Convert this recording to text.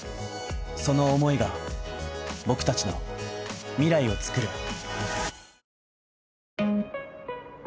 その思いが僕達の未来をつくる